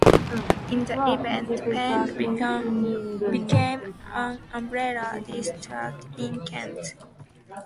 In the event, Penge became an urban district in Kent.